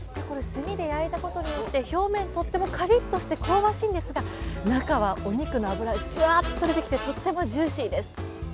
炭で焼いたことによって、表面、とってもカリッとして香ばしいんですが、中はお肉の脂、ジワッと出てきて、とってもジューシーです。